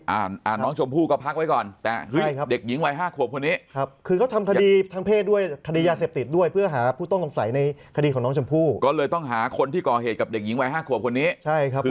อ่าน้องชมพู่ก็พักไว้ก่อนแต่เฮ้ยเด็กหญิงวัยห้าขวบคนนี้